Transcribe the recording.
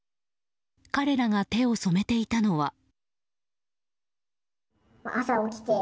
彼らが手を染めていたのは。